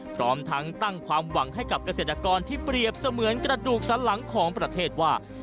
พร้อมทั้งตั้งความหวังให้กับเกษตรกรที่เปรียบเสมือนกระดูกสันหลังของประเทศว่า